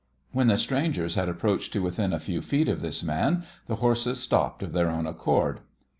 When the strangers had approached to within a few feet of this man, the horses stopped of their own accord.